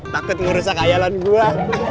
takut ngerusak ayalan gua